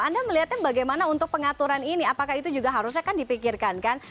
anda melihatnya bagaimana untuk pengaturan ini apakah itu juga harusnya kan dipikirkan kan